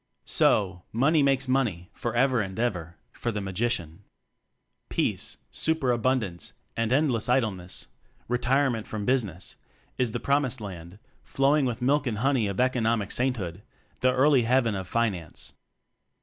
So "Money makes money" for ever and ever for the Magician. Peace, super abundance, and endless idleness "retirement from business" is "the Promised Land, flowing with milk and honey" of Economic Saint hood the earthly Heaven of "Fi nance."